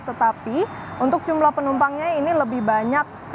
tetapi untuk jumlah penumpangnya ini lebih banyak